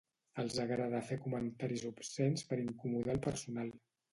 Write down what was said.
Els agrada fer comentaris obscens per incomodar el personal.